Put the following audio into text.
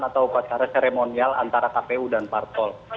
atau pasaran seremonial antara kpu dan partol